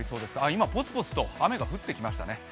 今、ポツポツと雨が降ってきましたね。